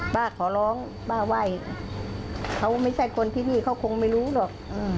ขอร้องป้าไหว้เขาไม่ใช่คนที่นี่เขาคงไม่รู้หรอก